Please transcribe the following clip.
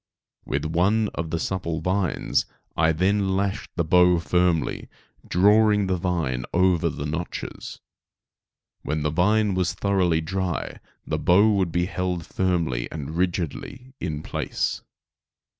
With one of the supple vines I then lashed the bow firmly, drawing the vine over the notches. When the vine was thoroughly dry the bow would be held firmly and rigidly in place.